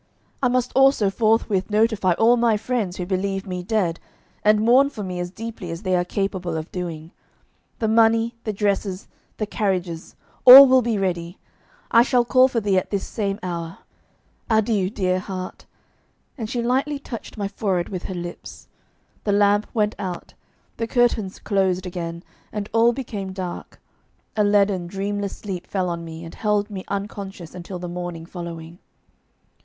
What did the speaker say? I must also forthwith notify all my friends who believe me dead, and mourn for me as deeply as they are capable of doing. The money, the dresses, the carriages all will be ready. I shall call for thee at this same hour. Adieu, dear heart!' And she lightly touched my forehead with her lips. The lamp went out, the curtains closed again, and all became dark; a leaden, dreamless sleep fell on me and held me unconscious until the morning following.